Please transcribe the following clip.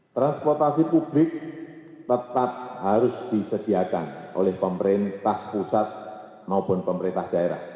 transportasi publik tetap harus disediakan oleh pemerintah pusat maupun pemerintah daerah